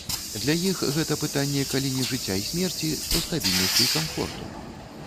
Для іх гэта пытанне калі не жыцця і смерці, то стабільнасці і камфорту.